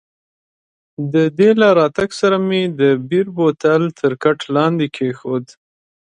د دې له راتګ سره مې د بیر بوتل تر کټ لاندې کښېښود.